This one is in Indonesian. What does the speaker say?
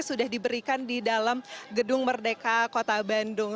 sudah diberikan di dalam gedung merdeka kota bandung